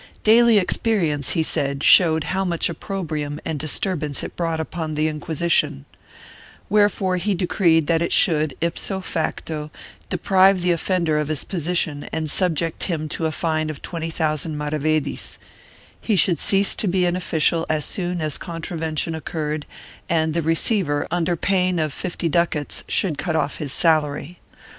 Daily experience, he said, showed how much oppro brium and disturbance it brought upon the Inquisition, where fore he decreed that it should, ipso facto, deprive the offender of his position and subject him to a fine of twenty thousand mara vedis: he should cease to be an official as soon as contravention occurred and the receiver, under pain of fifty ducats, should cut off his salary.